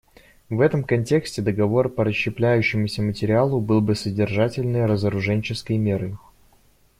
В этом контексте договор по расщепляющемуся материалу был бы содержательной разоруженческой мерой.